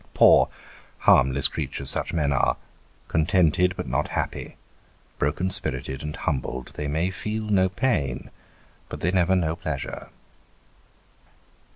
Poor, harmless creatures such men are ; contented but not happy ; broken spirited and humbled, they may feel no pain, but they never know pleasure.